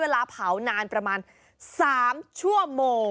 แต่ว่าก่อนอื่นเราต้องปรุงรสให้เสร็จเรียบร้อย